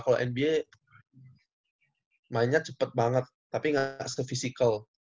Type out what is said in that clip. kalau nba mainnya cepet banget tapi nggak se fisical